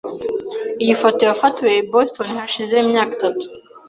Iyi foto yafatiwe i Boston hashize imyaka itatu .